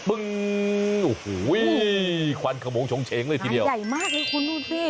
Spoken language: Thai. ปึ้งโอ้โหควันขมงชงเชงเลยทีเดียวนางใหญ่มากเนี่ยคุณดูสิ